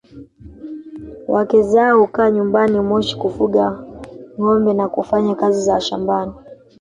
Wake zao hukaa nyumbani Moshi kufuga ngombe na kufanya kazi za shambani